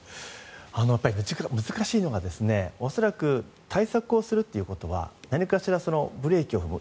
やっぱり難しいのは恐らく対策をするということは何かしらブレーキを踏む。